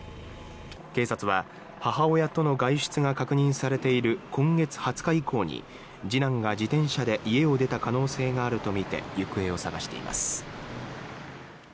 警察は母親との外出が確認されている今月２０日以降に次男が自転車で家を出た可能性があるとみて行方を捜しています。